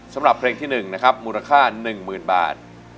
สำหรับเพลงที่๑นะครับมูลค่า๑๐๐๐บาท